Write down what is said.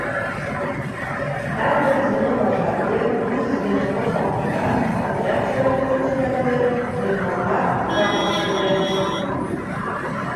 Һәр бер звено вожатыйы үҙ звеноһы хаҡында отряд советы председателе Ғилманға рапорт бирҙе.